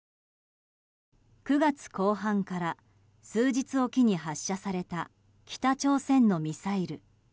９月後半から数日おきに発射された北朝鮮のミサイル。